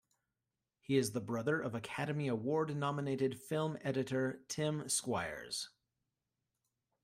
He is the brother of Academy Award-nominated film editor Tim Squyres.